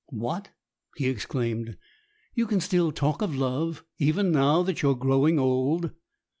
"What!" he exclaimed. "You can still talk of love, even now that you are growing old?"